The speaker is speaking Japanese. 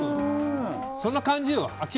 そんな感じよ。